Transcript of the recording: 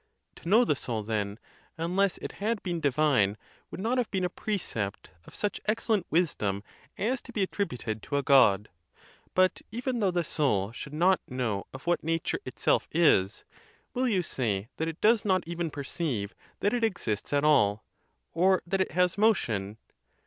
To know the soul, then, unless it had been divine, would not have been a precept of such excellent wisdom as to be attributed to a God; but even though the soul should not know of what nature it self is, will you say that it does not even perceive that it 52 THE TUSCULAN DISPUTATIONS. exists at all, or that it has motion?